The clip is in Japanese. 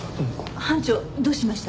班長どうしました？